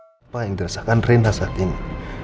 apa yang dirasakan rinda saat ini